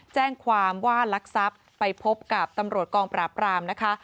แจ้งความว่าลักทรัพย์ไปพบกับตำรวจกองปราบรามนะคะ